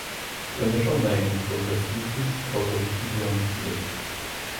Its initial name was the Soweto Local Interim Committee.